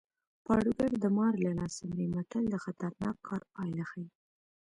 پاړوګر د مار له لاسه مري متل د خطرناک کار پایله ښيي